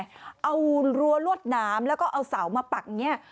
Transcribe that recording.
เอารั้วลวดน้ำแล้วก็เอาเสามาปักเนี่ย